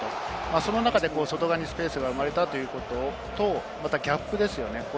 その中で外側にスペースが生まれたということと、ギャップですよね。